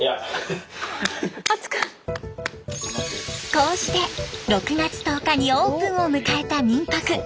こうして６月１０日にオープンを迎えた民泊。